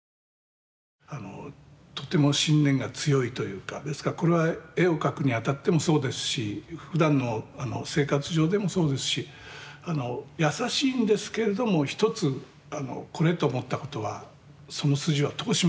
とても信念が強いというかですからこれは絵を描くにあたってもそうですしふだんの生活上でもそうですし優しいんですけれども一つこれと思ったことはその筋は通しますね。